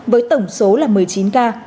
với tổng số là một mươi chín ca